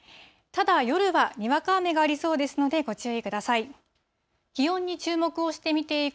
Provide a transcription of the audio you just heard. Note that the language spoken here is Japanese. ただ、夜はにわか雨がありそうですので、ご注意ください。